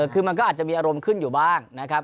คือมันก็อาจจะมีอารมณ์ขึ้นอยู่บ้างนะครับ